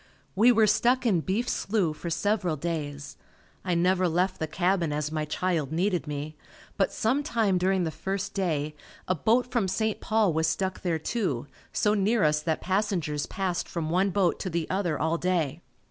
We were stuck in Beef Slough for several days. I never left the cabin as my child needed me, but some time during the first day a boat from St. Paul was stuck there too, so near us that passengers passed from one boat to the other all day.